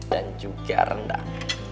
dan juga rendang